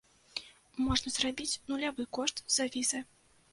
Можна зрабіць нулявы кошт за візы.